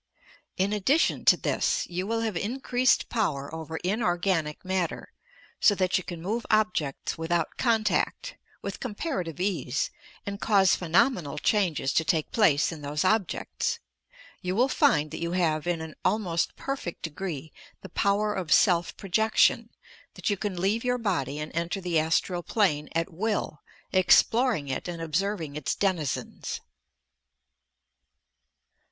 In addition to this, you will have increased power over inorganic matter, so that you can move objects without contact, with comparative ease, and cause phe nomena! changes to take place in those objects. You will find that you have, in an almost perfect degree, the power of "self projection," — that you can leave your body and enter the astral plane at will, exploring it and observing its denizens.